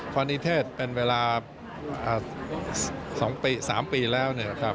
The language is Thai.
พอนิเทศเป็นเวลา๒๓ปีแล้ว